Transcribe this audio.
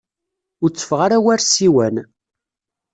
Ur tteffeɣ ara war ssiwan.